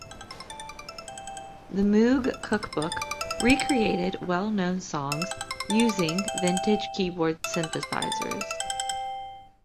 The Moog Cookbook recreated well-known songs using vintage keyboard synthesizers.